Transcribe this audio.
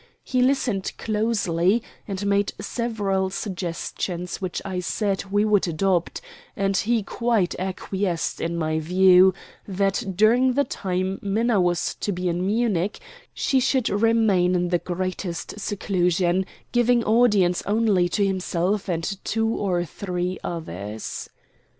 He listened closely, and made several suggestions which I said we would adopt; and he quite acquiesced in my view that during the time Minna was to be in Munich she should remain in the greatest seclusion, giving audience only to himself and two or three others.